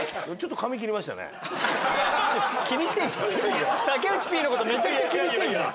気にしてんじゃん。